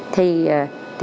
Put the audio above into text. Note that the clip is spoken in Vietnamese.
thì mình cảm thấy